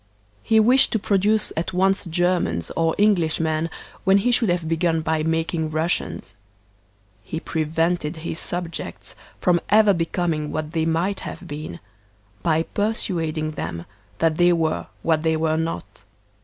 He wished to produce at once Germans or Englishmen when he should have begun by making Russians; he prevented his subjects from ever becoming what they might have been, by persuading them that they were what they were not.